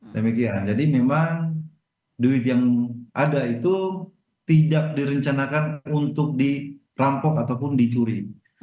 demikian jadi memang duit yang ada itu tidak direncanakan untuk dirampok ataupun dicuri